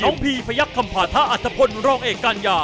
น้องพีย์พระยักษ์คำพาดพระท่าอัตภพลร่องเอกกัญญา